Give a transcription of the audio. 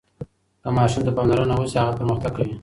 که ماشوم ته پاملرنه وشي، هغه پرمختګ کوي.